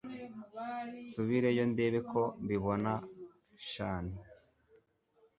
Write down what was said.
nsubireyo ndebe ko mbibona shn